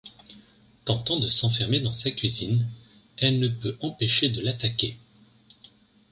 Tentant de s'enfermer dans sa cuisine, elle ne peut empêcher de l'attaquer.